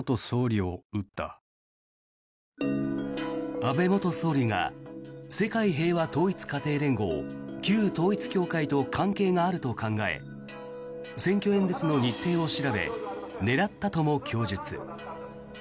安倍元総理が世界平和統一家庭連合旧統一教会と関係があると考え選挙演説の日程を調べ狙ったとも供述。